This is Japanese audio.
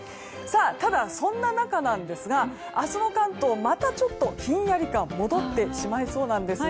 ただ、そんな中ですが明日の関東またちょっとひんやり感が戻ってしまいそうです。